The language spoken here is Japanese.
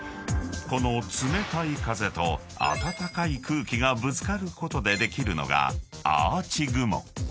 ［この冷たい風と暖かい空気がぶつかることでできるのがアーチ雲］